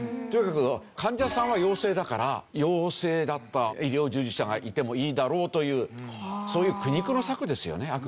とにかく患者さんは陽性だから陽性だった医療従事者がいてもいいだろうというそういう苦肉の策ですよね